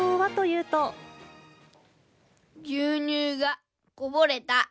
牛乳がこぼれた。